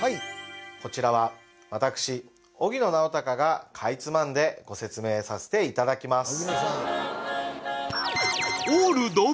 こちらは私荻野直孝がかいつまんでご説明させていただきます